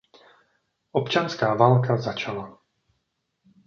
Občanská válka začala.